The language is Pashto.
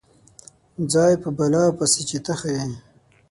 ځای په بلا پسې چې ته ښه یې.